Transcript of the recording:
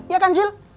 iya kan cil